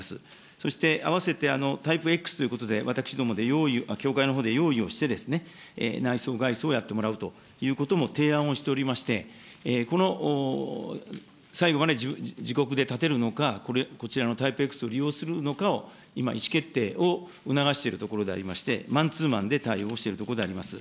そして、あわせてタイプＸということで、私どもで用意、協会のほうで用意をしてですね、内装、外装をやってもらうということも提案をしておりまして、この最後まで自国で建てるのか、これ、こちらのタイプＸを利用するのかを、今、意思決定を促しているところでありまして、マンツーマンで対応をしているところであります。